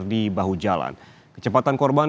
di bahu jalan kecepatan korban